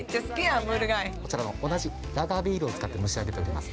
こちら、同じラガービールを使って蒸し上げております。